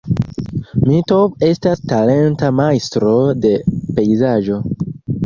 Mitov estas talenta majstro de pejzaĝo.